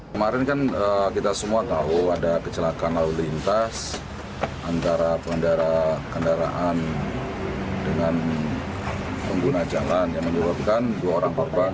kemarin kan kita semua tahu ada kecelakaan lalu lintas antara pengendara kendaraan dengan pengguna jalan yang menyebabkan dua orang korban